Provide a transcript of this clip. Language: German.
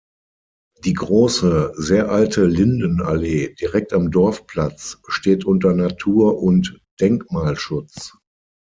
Die große, sehr alte Lindenallee, direkt am Dorfplatz, steht unter Natur- und Denkmalschutz.